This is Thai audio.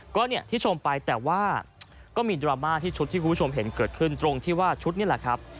ก็เนี่ยที่ชมไปแต่ว่าก็มีดราม่าที่ชุดที่คุณผู้ชมเห็นเกิดขึ้นตรงที่ว่าชุดนี่แหละครับ